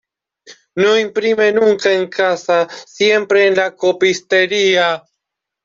No imprime nunca en casa, siempre en la copistería.